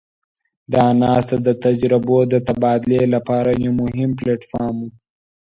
دا ناسته د تجربو د تبادلې لپاره یو مهم پلټ فارم وو.